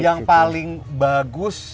nah yang paling bagus